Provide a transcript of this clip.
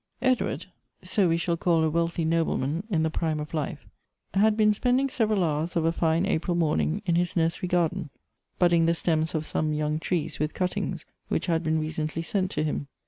EDWARD — so we sliall call a wealthy nobleman in the prime of life — had been spending several hours of a fine April morning in his nursery garden budding the stems of some young trees with cuttings which had been recently sent to him.